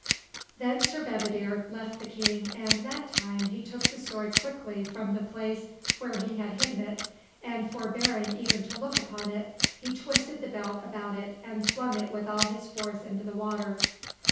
Then Sir Bedivere left the King and, that time, he took the sword quickly from the place where he had hidden it and, forbearing even to look upon it, he twisted the belt about it and flung it with all his force into the water.